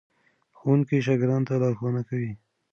ښوونکي شاګردانو ته لارښوونه کوي.